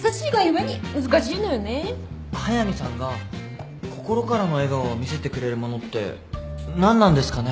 速見さんが心からの笑顔を見せてくれる物って何なんですかね。